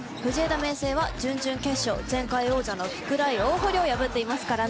明誠は準々決勝前回王者の福大大濠を破っていますからね。